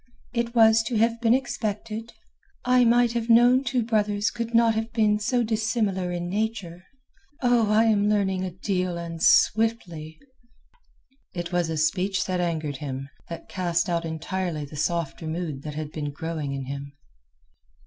"It was to have been expected. I might have known two brothers could not have been so dissimilar in nature. Oh, I am learning a deal, and swiftly!" It was a speech that angered him, that cast out entirely the softer mood that had been growing in him.